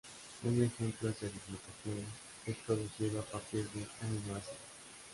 Un ejemplo es el glutatión, que es producido a partir de aminoácidos.